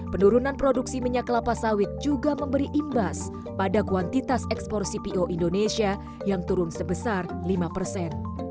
penurunan produksi minyak kelapa sawit juga memberi imbas pada kuantitas ekspor cpo indonesia yang turun sebesar lima persen